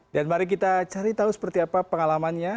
dan mari kita cari tahu seperti apa pengalamannya